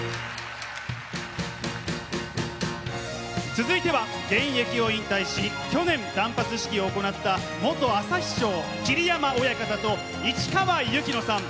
続いては現役を引退し去年断髪式を行った元旭日松桐山親方と市川由紀乃さん。